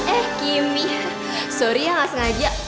eh kimmy sorry ya gak sengaja